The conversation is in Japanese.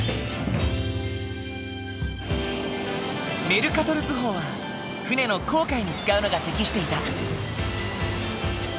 メルカトル図法は船の航海に使うのが適していた。